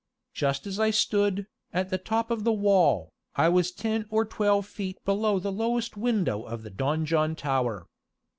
Just as I stood, at the top of the wall, I was ten or twelve feet below the lowest window of the donjon tower.